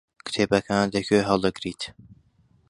کتێبەکانت لەکوێ هەڵدەگریت؟